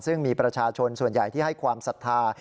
ซึ่งมีประชาชนส่วนใหญ่ที่ให้ความศรัทธา